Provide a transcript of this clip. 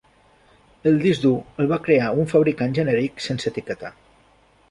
El disc dur el va crear un fabricant genèric sense etiquetar.